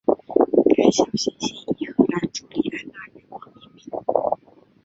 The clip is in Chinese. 该小行星以荷兰朱丽安娜女王命名。